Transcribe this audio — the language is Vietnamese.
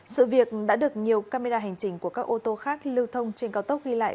sự việc đã được nhiều camera hành trình của các ô tô khác khi lưu thông trên cao tốc ghi lại